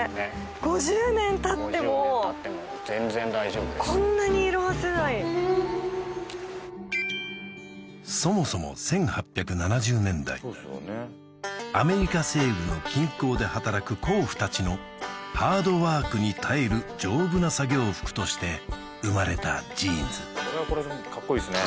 ５０年たっても全然大丈夫ですそもそも１８７０年代アメリカ西部の金鉱で働く鉱夫たちのハードワークに耐える丈夫な作業服として生まれたジーンズこれはこれでカッコいいですね